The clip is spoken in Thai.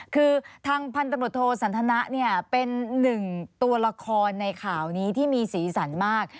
คือทางพันธบทโทสันทนะเนี่ยเป็นหนึ่งตัวละครในข่าวนี้ที่มีสีสันมาก